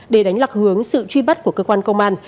để đánh lạc hướng sự truy bắt của cơ quan công an